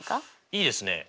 いいですねえ